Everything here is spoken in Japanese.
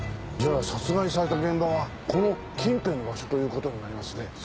じゃあ殺害された現場はこの近辺の場所という事になりますね。